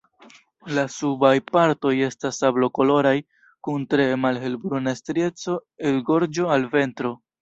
La subaj partoj estas sablokoloraj, kun tre malhelbruna strieco el gorĝo al ventro.